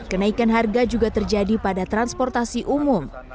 kenaikan harga juga terjadi pada transportasi umum